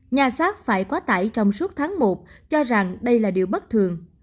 nhà sát phải quá tải trong suốt tháng một cho rằng đây là điều bất thường